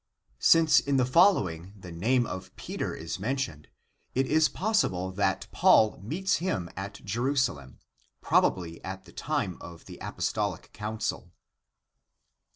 Since in the following the name of Peter is mentioned, it is possible that Paul meets him at Jerusalem, probably at the time of the apos tolic council.)